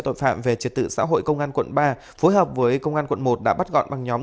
tội phạm về trật tự xã hội công an quận ba phối hợp với công an quận một đã bắt gọn bằng nhóm